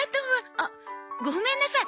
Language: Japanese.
あっごめんなさい。